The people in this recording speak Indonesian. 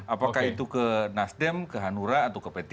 apakah itu ke nasdem ke hanura atau ke p tiga